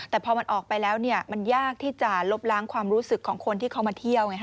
แต่พอมันออกไปแล้วมันยากที่จะลบล้างความรู้สึกของคนที่เขามาเที่ยวไงฮ